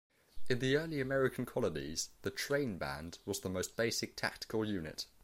In the early American colonies the trainband was the most basic tactical unit.